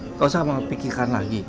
nggak usah memikirkan lagi